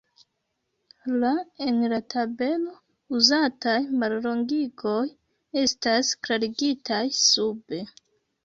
La en la tabelo uzataj mallongigoj estas klarigitaj sube.